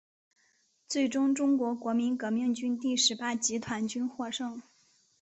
最终中国国民革命军第十八集团军获胜。